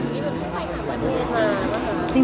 มีคนที่ไม่ไปก่อนเลยหรือ